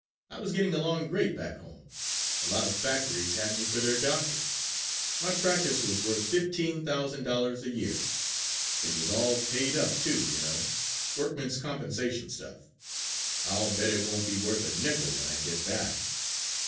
I was getting along great back home. A lot of factories had me for their doctor. My practice was worth $15,000 a year. It was all paid up, too, you know, workman's compensation stuff. I'll bet it won't be worth a nickel when I get back."